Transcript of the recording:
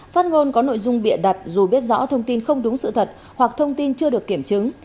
phát ngôn có nội dung bịa đặt dù biết rõ thông tin không đúng sự thật hoặc thông tin chưa được kiểm chứng